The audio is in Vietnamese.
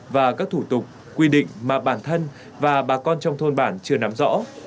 và các thủ tục quy định mà bản thân và bà con trong thôn bản chưa nắm rõ